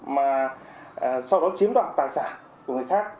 mà sau đó chiếm đoạt tài sản của người khác